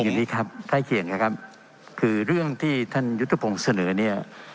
อย่างนี้ครับใกล้เคียงนะครับคือเรื่องที่ท่านยุทธพงศ์เสนอเนี่ย